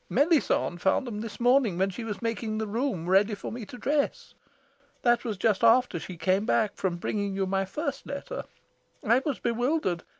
Melisande found them this morning when she was making the room ready for me to dress. That was just after she came back from bringing you my first letter. I was bewildered.